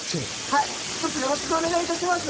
はいひとつよろしくお願い致します。